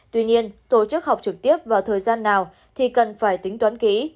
tuy nhiên tổ chức học trực tiếp vào thời gian nào thì cần phải tính toán kỹ